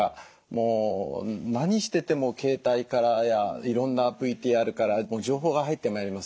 もう何してても携帯からやいろんなＶＴＲから情報が入ってまいりますでしょ。